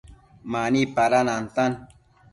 Mani pada nantan